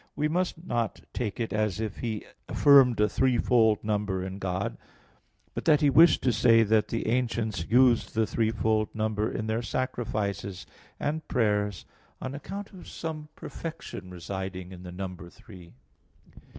we must not take it as if he affirmed a threefold number in God, but that he wished to say that the ancients used the threefold number in their sacrifices and prayers on account of some perfection residing in the number three.